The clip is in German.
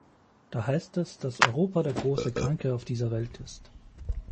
Da heißt es, dass Europa der große Kranke auf dieser Welt ist.